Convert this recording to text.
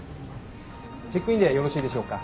チェックインでよろしいでしょうか？